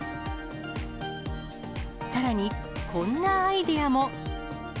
さらに、こんなアイデアも。